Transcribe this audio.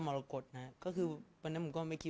สงฆาตเจริญสงฆาตเจริญ